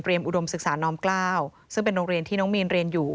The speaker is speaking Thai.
อุดมศึกษาน้อมกล้าซึ่งเป็นโรงเรียนที่น้องมีนเรียนอยู่